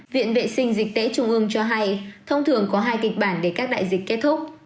viện vệ sinh dịch tễ trung ương cho hay thông thường có hai kịch bản để các đại dịch kết thúc